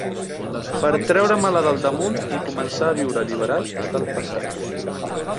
Per treure-me-la del damunt i començar a viure alliberat del passat.